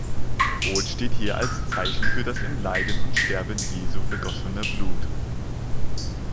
Rot steht hier als Zeichen für das im Leiden und Sterben Jesu vergossene Blut.